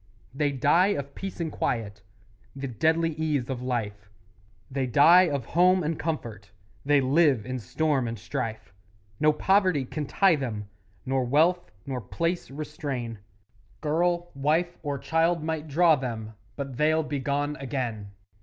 They die of peace and quiet The deadly ease of life; They die of home and comfort; They live in storm and strife; No poverty can tie them, Nor wealth nor place restrain Girl, wife, or child might draw them, But they'll be gone again!